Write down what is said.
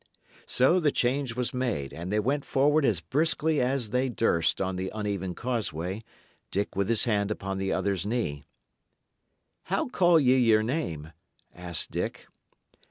So the change was made, and they went forward as briskly as they durst on the uneven causeway, Dick with his hand upon the other's knee. "How call ye your name?" asked Dick.